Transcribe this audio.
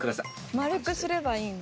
丸くすればいいの？